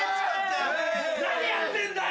何やってんだよ！